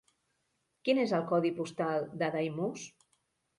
Quin és el codi postal de Daimús?